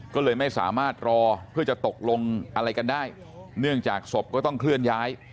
ก็เลยไม่สามารถรอเพื่อจะตกลงอะไรกันได้เนื่องจากศพก็ต้องเคลื่อนย้าย